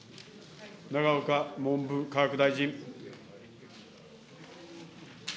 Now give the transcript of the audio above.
永岡文部科学大臣。